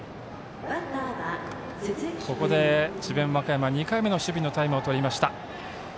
ここで、智弁和歌山２回目の守備のタイムをとりました。